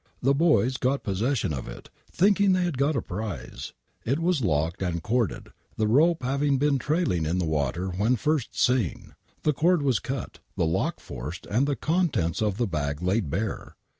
The boys got possession of it, thinking they had got a pyze ! It was locked and corded, the rope having been trailing in the water when first seen. The cord was cut,, the lock forced and contents of the bag laid bare